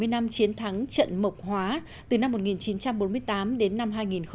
bảy mươi năm chiến thắng trận mộc hóa từ năm một nghìn chín trăm bốn mươi tám đến năm hai nghìn một mươi